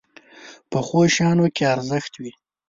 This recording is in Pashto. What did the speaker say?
پخو شیانو کې ارزښت وي